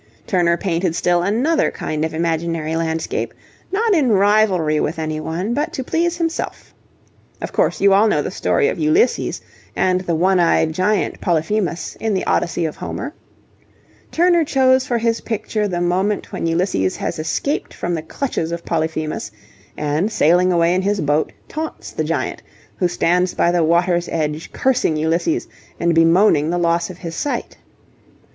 Turner painted still another kind of imaginary landscape, not in rivalry with any one, but to please himself. Of course you all know the story of Ulysses and the one eyed giant, Polyphemus, in the Odyssey of Homer? Turner chose for his picture the moment when Ulysses has escaped from the clutches of Polyphemus, and sailing away in his boat, taunts the giant, who stands by the water's edge, cursing Ulysses and bemoaning the loss of his sight.